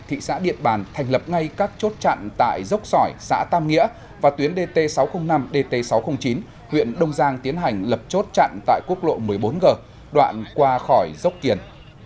thị xã điện bàn thành lập ngay các chốt chặn tại dốc sỏi xã tam nghĩa và tuyến dt sáu trăm linh năm dt sáu trăm linh chín huyện đông giang tiến hành lập chốt chặn tại quốc lộ một mươi bốn g đoạn qua khỏi dốc kiền